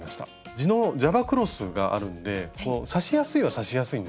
地のジャバクロスがあるんで刺しやすいは刺しやすいんですよね。